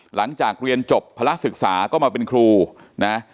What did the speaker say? หลังจากเรียนจบภาระศึกษาก็มาเป็นครูนะ